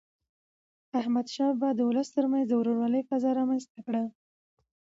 احمدشاه بابا د ولس تر منځ د ورورولی فضا رامنځته کړه.